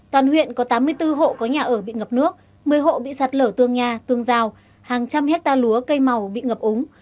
toàn huyện có tám mươi bốn hộ có nhà ở bị ngập nước một mươi hộ bị sạt lở tương nhà tương giao hàng trăm hectare lúa cây màu bị ngập úng